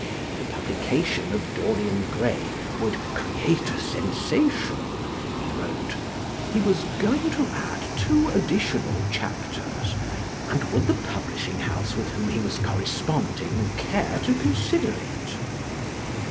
The publication of Dorian Gray would "create a sensation," he wrote; he was "going to add two additional chapters," and would the publishing house with whom he was corresponding care to consider it?